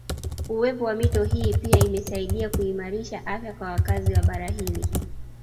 Uwepo wa mito hii pia imesaidia kuimarisha afya kwa wakazi wa bara hili